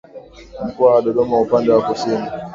Mkoa wa Dodoma upande wa kusini